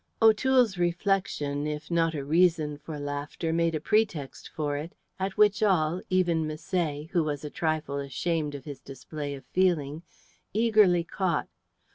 O'Toole's reflection, if not a reason for laughter, made a pretext for it, at which all even Misset, who was a trifle ashamed of his display of feeling eagerly caught.